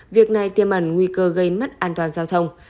việc này tiêm ẩn nguy cơ gây mất an toàn giao thông